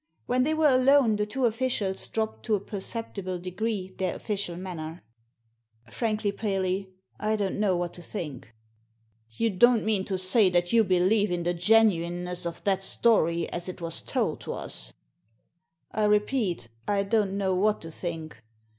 When they were alone the two officials dropped to a perceptible degree their official manner. " Frankly, Paley, I don't know what to think." "You don't mean to say that you believe in the genuineness of that story as it was told to us ?"," I repeat, I don't know what to think.